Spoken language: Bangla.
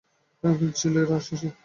খানকির ছেলেরা এসেছে!